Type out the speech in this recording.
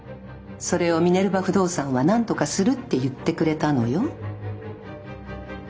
それをミネルヴァ不動産はなんとかするって言ってくれたのよ。